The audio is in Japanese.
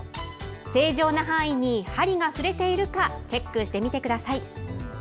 正常な範囲に針が振れているか、チェックしてみてください。